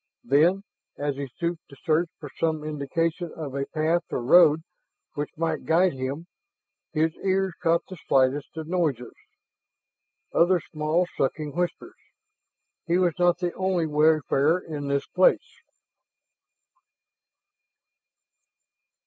Then, as he stooped to search for some indication of a path or road which might guide him, his ears caught the slightest of noises other small sucking whispers. He was not the only wayfarer in this place!